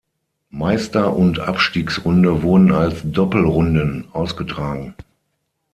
Meister- und Abstiegsrunde wurden als Doppelrunden ausgetragen.